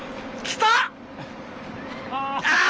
来た！